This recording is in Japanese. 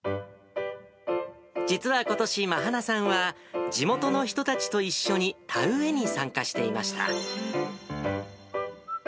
実はことし、まはなさんは、地元の人たちと一緒に、田植えに参加していました。